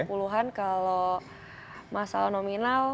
puluhan kalau masalah nominal